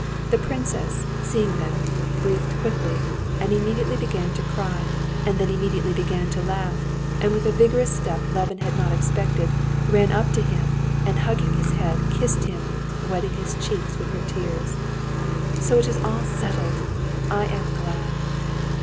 The princess, seeing them, breathed quickly, and immediately began to cry and then immediately began to laugh, and with a vigorous step Levin had not expected, ran up to him, and hugging his head, kissed him, wetting his cheeks with her tears. "So it is all settled! I am glad.